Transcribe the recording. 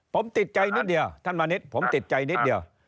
ผมติดใจนิดเดียวท่านมณิษฐ์ผมติดใจนิดเดียว